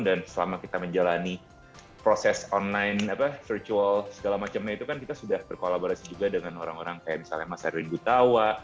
dan selama kita menjalani proses online virtual segala macemnya itu kan kita sudah berkolaborasi juga dengan orang orang kayak misalnya mas erwin butawa